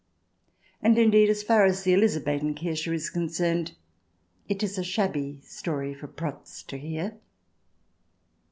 And, indeed, as far as the Elizabethen Kirche is concerned, it is a shabby story for " Prots " to hear.